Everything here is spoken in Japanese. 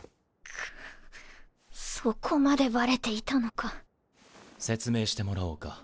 クッそこまでばれていたのか説明してもらおうか。